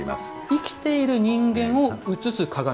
生きている人間を映す鏡。